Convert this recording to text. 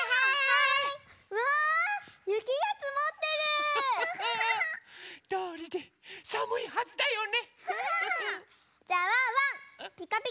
いいね！